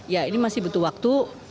ya ini masih butuh waktu